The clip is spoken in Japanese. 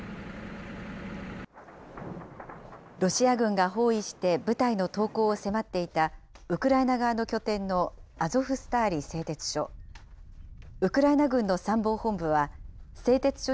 ロシア軍が包囲して、部隊の投降を迫っていたウクライナ側の拠点のアゾフスターリ製鉄所。